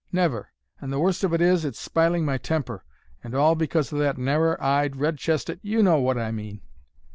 Never. And the worst of it is, it's spiling my temper. And all because o' that narrer eyed, red chested—you know wot I mean!'